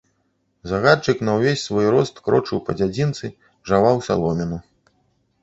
Загадчык на ўвесь свой рост крочыў па дзядзінцы, жаваў саломіну.